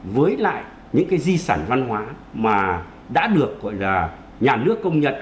với lại những cái di sản văn hóa mà đã được gọi là nhà nước công nhận